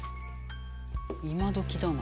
今どきだな。